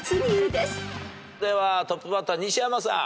ではトップバッター西山さん。